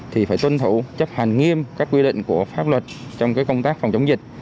thì phải tuân thủ chấp hành nghiêm các quy định của pháp luật trong công tác phòng chống dịch